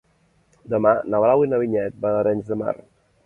Demà na Blau i na Vinyet van a Arenys de Mar.